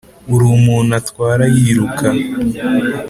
uri muntu atwara yiruka